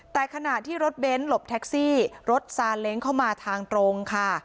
แต่ขณะที่รถเบ้นหลบแท็กซี่รถซาเล้งเข้ามาทางตรงค่ะ